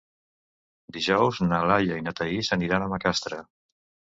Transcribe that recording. Dijous na Laia i na Thaís aniran a Macastre.